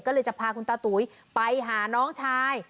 ก็เลยจะพาคุณตาตุ๋ยไปหาน้องชาย